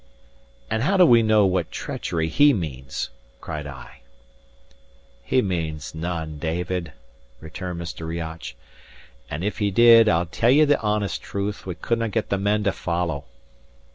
"And how do we know what treachery he means?" cried I. "He means none, David," returned Mr. Riach, "and if he did, I'll tell ye the honest truth, we couldnae get the men to follow."